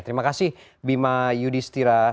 terima kasih bima yudhistira